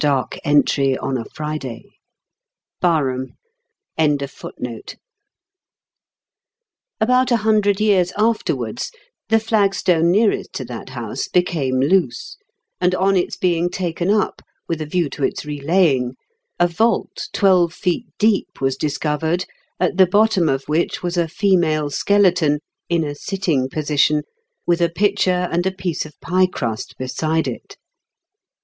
165 About a hundred years afterwards the flagstone nearest to that house became loose, and, on its being taken up, with a view to its relaying, a vault twelve feet deep was dis covered, at the bottom of which was a female skeleton, in a sitting position, with a pitcher and a piece of pie crust beside it.